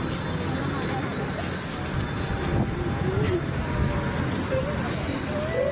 อันนี้แห่งเป็นสุขอีกที